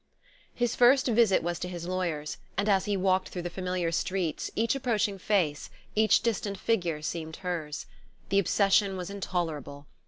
His first visit was to his lawyer's; and as he walked through the familiar streets each approaching face, each distant figure seemed hers. The obsession was intolerable.